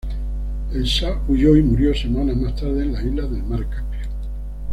El sah huyó y murió semanas más tarde en una isla del mar Caspio.